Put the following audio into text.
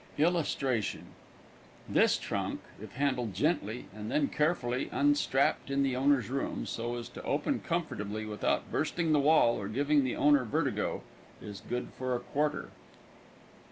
This trunk, if handled gently and then carefully unstrapped in the owner's room, so as to open comfortably without bursting the wall or giving the owner vertigo, is good for a quarter.